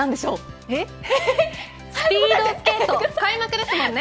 スピードスケート開幕ですもんね。